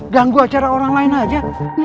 ganggu acara orang lain aja